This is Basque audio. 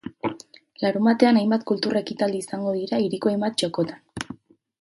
Larunbatean hainbat kultur ekitaldi izango dira hiriko hainbat txokotan.